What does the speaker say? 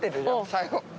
最後。